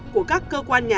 của các cơ quan công an